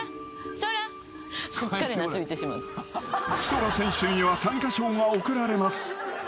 ［そら選手には参加賞がおくられます］